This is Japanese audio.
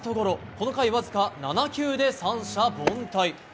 この回わずか７球で三者凡退。